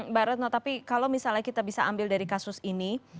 mbak retno tapi kalau misalnya kita bisa ambil dari kasus ini